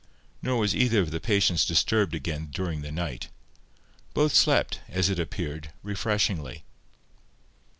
Nor was either of the patients disturbed again during the night. Both slept, as it appeared, refreshingly.